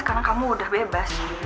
sekarang kamu udah bebas